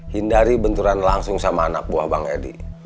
hindari benturan langsung sama anak buah bang edi